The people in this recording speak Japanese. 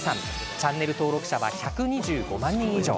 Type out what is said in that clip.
チャンネル登録者は１２５万人以上。